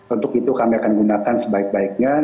untuk itu kami akan gunakan sebaik baiknya